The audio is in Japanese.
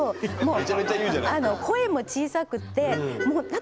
めちゃめちゃ言うじゃない。